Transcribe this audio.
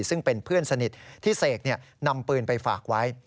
ซึ่งเป็นเพื่อนสนิทที่เสกนำปืนไปฝากไว้